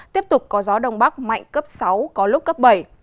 tiếp tục có gió đông bắc mạnh cấp sáu có lúc cấp bảy